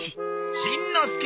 しんのすけ！